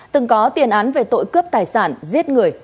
từng có tiền án về tội cướp tài sản giết người